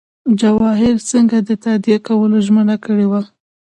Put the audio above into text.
جواهر سینګه د تادیه کولو ژمنه کړې وه.